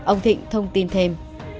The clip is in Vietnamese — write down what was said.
ông thịnh thông tin thêm